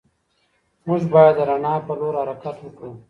موږ بايد د رڼا په لور حرکت وکړو.